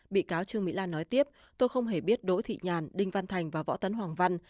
bị cáo trương mỹ lan nói tiếp tôi không hề biết đỗ thị nhàn đinh văn thành và võ tấn hoàng văn